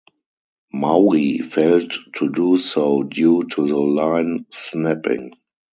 Maui failed to do so due to the line snapping.